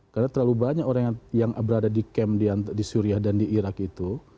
karena terlalu banyak orang yang berada di kem di syria dan di irak itu